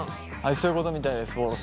そういうことみたいですぼーろさん。